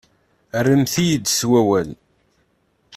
Rremt-iyi-d s wawal.